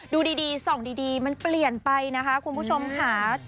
ดูดีส่องดีมันเปลี่ยนไปนะคะคุณผู้ชมค่ะ